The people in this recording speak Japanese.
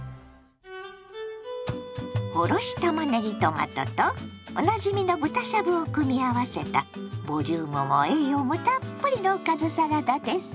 おろしたまねぎトマトとおなじみの豚しゃぶを組み合わせたボリュームも栄養もたっぷりのおかずサラダです。